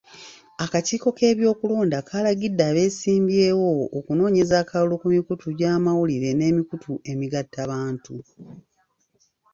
Akakiiko k'ebyokulonda kaalagidde abeesimbyewo okunoonyeza akalulu ku mikutu gy'amawulire n'emikutu emigattabantu..